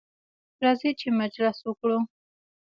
راځئ چې مجلس وکړو.